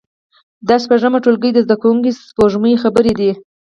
دا د شپږم ټولګي د زده کوونکې سپوږمۍ خبرې دي